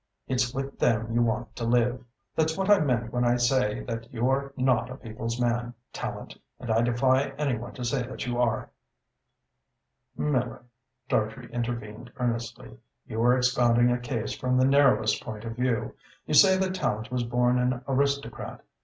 It's with them you want to live. That's what I mean when I say that you're not a people's man, Tallente, and I defy any one to say that you are." "Miller," Dartrey intervened earnestly, "you are expounding a case from the narrowest point of view. You say that Tallente was born an aristocrat.